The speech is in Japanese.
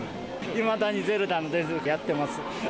いまだにゼルダの伝説とかやってます。